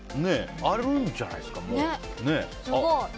あるんじゃないですか？